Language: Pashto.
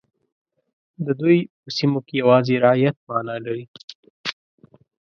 د دوی په سیمو کې یوازې رعیت معنا لري.